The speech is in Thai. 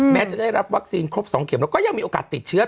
จะได้รับวัคซีนครบ๒เข็มแล้วก็ยังมีโอกาสติดเชื้อ